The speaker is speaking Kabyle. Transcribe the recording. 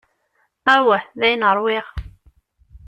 Awah, dayen ṛwiɣ.